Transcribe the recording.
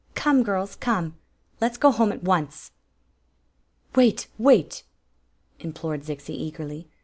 Come, girls, come ; let 's go home at once." " Wait — wait !" implored Zixi, eagerly.